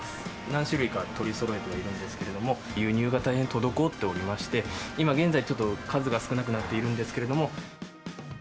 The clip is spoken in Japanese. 何種類か取りそろえてはいるんですけれども、輸入が大変滞っておりまして、今現在、ちょっと数が少なくなっているんですけれども。